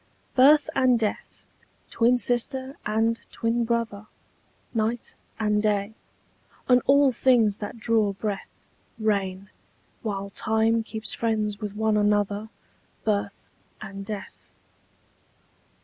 BIRTH and death, twin sister and twin brother, Night and day, on all things that draw breath, Reign, while time keeps friends with one another Birth and death.